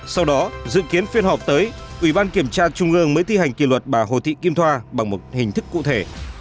sau đó dự kiến phiên họp tới ủy ban kiểm tra trung ương mới thi hành kỷ luật bà hồ thị kim thoa bằng một hình thức cụ thể